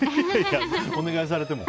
お願いされても。